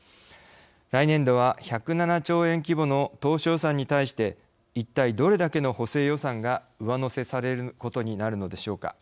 来年度は１０７兆円規模の当初予算に対して一体どれだけの補正予算が上乗せされることになるのでしょうか。